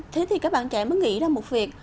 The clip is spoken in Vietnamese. thế thì các bạn trẻ mới nghĩ ra một việc